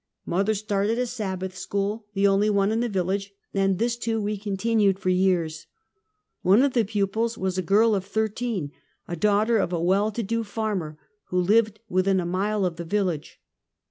Mother started a Sabbath School, the only one in the village, and this, too, we continued for years. One of the pupils was a girl of thirteen, daughter of a well to do farmer, who lived within a mile of the village.